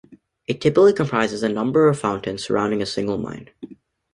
It typically comprises a number of fountains surrounding a single mine.